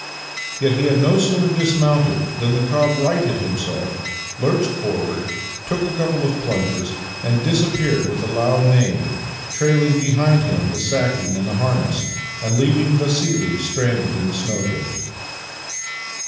Yet he had no sooner dismounted than the cob righted himself, lurched forward, took a couple of plunges, and disappeared with a loud neigh, trailing behind him the sacking and harness, and leaving Vassili stranded in the snowdrift.